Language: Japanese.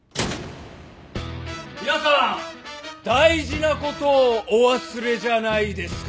皆さん大事なことをお忘れじゃないですか？